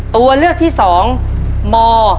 ตัวเลขที่๒ม๘๕